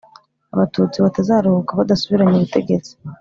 abatutsi batazaruhuka badasubiranye ubutegetsi,